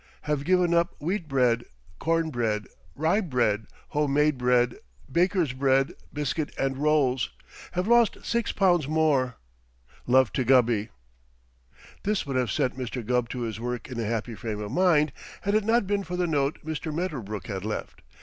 Have given up wheat bread, corn bread, rye bread, home made bread, bakers' bread, biscuit and rolls. Have lost six pounds more. Love to Gubby. This would have sent Mr. Gubb to his work in a happy frame of mind, had it not been for the note Mr. Medderbrook had left.